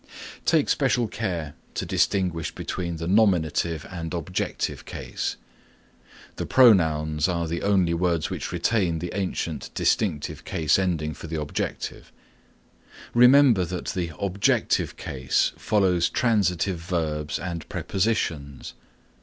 (4) Take special care to distinguish between the nominative and objective case. The pronouns are the only words which retain the ancient distinctive case ending for the objective. Remember that the objective case follows transitive verbs and prepositions.